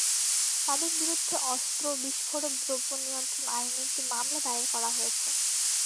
তাঁদের বিরুদ্ধে অস্ত্র, বিস্ফোরক দ্রব্য নিয়ন্ত্রণ আইনে একটি মামলা দায়ের করা হয়েছে।